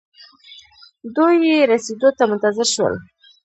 دوئ يې رسېدو ته منتظر شول.